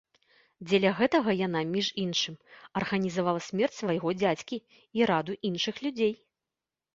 Дзеля гэтага яна, між іншым, арганізавала смерць свайго дзядзькі і раду іншых людзей.